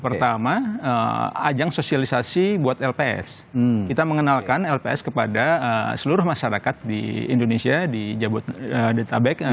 pertama ajang sosialisasi buat lps kita mengenalkan lps kepada seluruh masyarakat di indonesia di jabodetabek